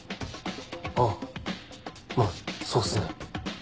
あまぁそうっすね。